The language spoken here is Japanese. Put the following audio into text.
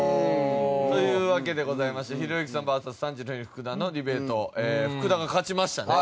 というわけでございましてひろゆきさんＶＳ３時のヒロイン福田のディベート福田が勝ちましたね。